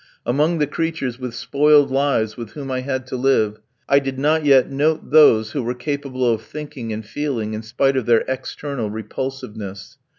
Among the creatures with spoiled lives with whom I had to live, I did not yet note those who were capable of thinking and feeling, in spite of their external repulsiveness.